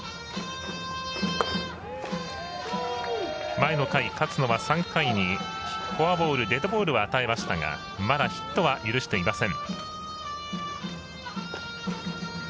前の回、勝野は３回にフォアボールとデッドボールを与えましたがまだヒットは許していません。